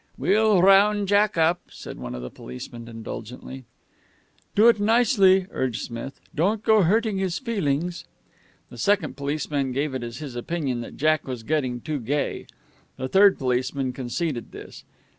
"We'll round Jack up," said one of the policemen indulgently. "Do it nicely," urged Smith. "Don't go hurting his feelings." The second policeman gave it as his opinion that Jack was getting too gay. The third policeman conceded this.